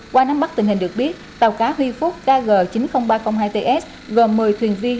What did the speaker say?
qua nắm bắt tình hình được biết tàu cá wifook kg chín mươi nghìn ba trăm linh hai ts gồm một mươi thuyền viên